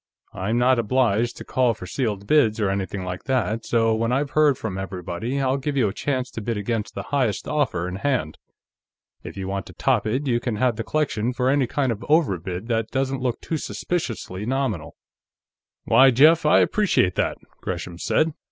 I'm not obliged to call for sealed bids, or anything like that, so when I've heard from everybody, I'll give you a chance to bid against the highest offer in hand. If you want to top it, you can have the collection for any kind of an overbid that doesn't look too suspiciously nominal." "Why, Jeff, I appreciate that," Gresham said.